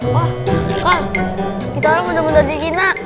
kak kita alang mudah mudahan di cina